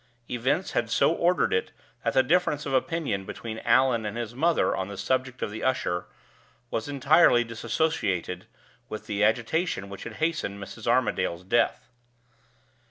Events had so ordered it that the difference of opinion between Allan and his mother on the subject of the usher was entirely disassociated with the agitation which had hastened Mrs. Armadale's death.